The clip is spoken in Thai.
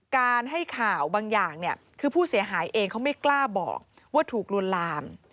การให้ข่าวบางอย่างเนี่ยคือผู้เสียหายเองเขาไม่กล้าบอกว่าถูกลวนลาม